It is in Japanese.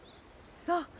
そう。